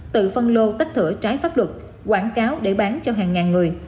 tự phân lô tách thửa trái pháp luật quảng cáo để bán cho hàng ngàn người